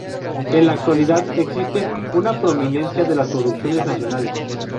En la actualidad existe una prominencia de las producciones nacionales.